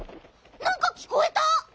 なんかきこえた！